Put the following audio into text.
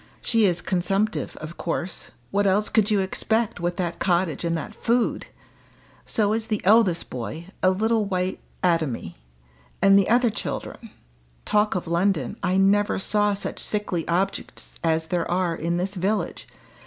She is consumptive, of course what else could you expect with that cottage and that food? So is the eldest boy a little white atomy! And the other children. Talk of London I never saw such sickly objects as there are in this village.